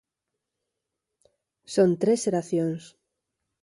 Son tres xeracións.